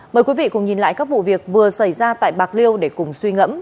mời quý vị cùng nhìn lại các vụ việc vừa xảy ra tại bạc liêu để cùng suy ngẫm